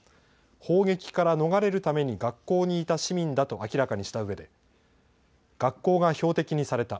砲撃から逃れるために学校にいた市民だと明らかにしたうえで学校が標的にされた。